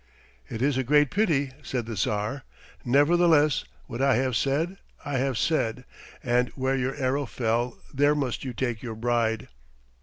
"It is a great pity," said the Tsar; "nevertheless what I have said I have said, and where your arrow fell there must you take your bride."